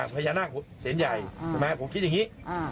พญานาคเสียงใหญ่ผมคิดอย่างนี้